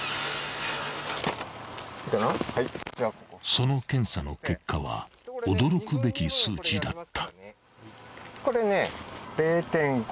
［その検査の結果は驚くべき数値だった］